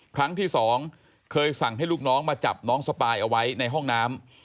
ครั้งที่สองเคยสั่งให้ลูกน้องมาจับน้องสปายเอาไว้ในห้องน้ำ